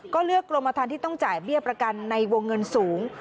ก็เลือกกรมฐานที่ต้องจ่ายเบี้ยประกันในวงเงินสูง